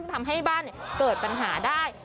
ทำให้บ้านเกิดปัญหาได้